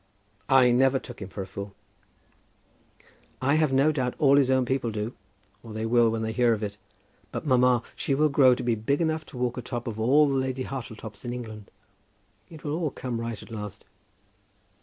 "I never took him for a fool." "I have no doubt all his own people do; or they will, when they hear of it. But, mamma, she will grow to be big enough to walk atop of all the Lady Hartletops in England. It will all come right at last."